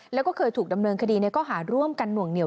แล้วก็เคยถูกดำเนินคดีในข้อหาร่วมกันหน่วงเหนีย